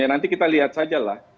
nanti kita lihat sajalah